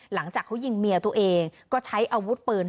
หลังจากเขายิงเมียตัวเองก็ใช้อาวุธปืน